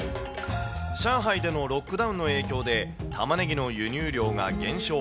上海でのロックダウンの影響で、たまねぎの輸入量が減少。